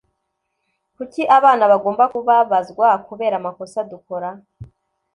kuki abana bagomba kubabazwa kubera amakosa dukora